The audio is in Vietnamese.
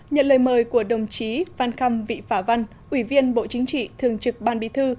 nhận lời mời của đồng chí phan khâm vị phả văn ủy viên bộ chính trị thường trực ban bí thư